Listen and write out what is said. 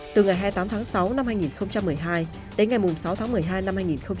từ ngày hai mươi tám tháng sáu năm hai nghìn một mươi hai đến ngày sáu tháng một mươi hai năm hai nghìn một mươi tám